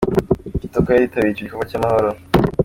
Kitoko yari yitabiriye icyo gikorwa cy'amahoro.